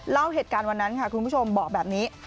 เล่าเหตุการณ์วันนั้นค่ะคุณผู้ชมบอกแบบนี้